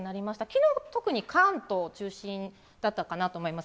きのう特に関東中心だったかなと思います。